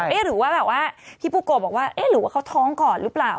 หรือว่าแบบว่าพี่ปูโกะบอกว่าเอ๊ะหรือว่าเขาท้องก่อนหรือเปล่า